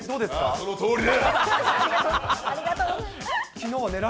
そのとおりだ。